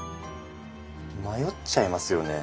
迷っちゃいますよね。